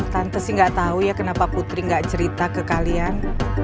tante sih nggak tahu ya kenapa putri gak cerita ke kalian